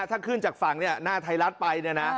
ถ้าขึ้นจากฝั่งหน้าไทรรัสไทรไปไหนนะ